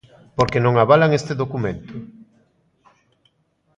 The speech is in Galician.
Porque non avalan este documento.